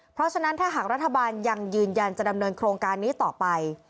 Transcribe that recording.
เพราะฉะนั้นถ้าหากรัฐบาลยังยืนยันจะดำเนินโครงการนี้ต่อไป